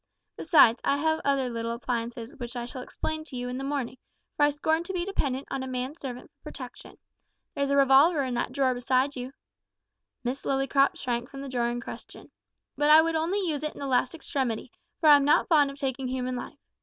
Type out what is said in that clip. Besides, I have other little appliances which I shall explain to you in the morning, for I scorn to be dependent on a man servant for protection. There's a revolver in that drawer beside you" Miss Lillycrop shrank from the drawer in question "but I would only use it in the last extremity, for I am not fond of taking human life.